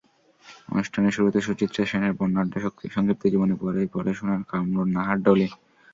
অনুষ্ঠানের শুরুতে সুচিত্রা সেনের বর্ণাঢ্য সংক্ষিপ্ত জীবনী পড়ে শোনান কামরুন্নাহার ডলি।